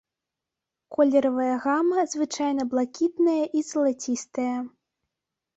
Колеравая гама звычайна блакітная і залацістая.